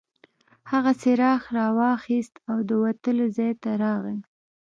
هغه څراغ راواخیست او د وتلو ځای ته راغی.